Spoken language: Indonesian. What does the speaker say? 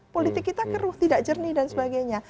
politik kita keruh tidak jernih dan sebagainya